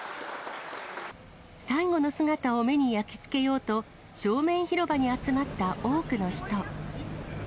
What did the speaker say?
最後の姿を目に焼き付けようと、正面広場に集まった多くの人。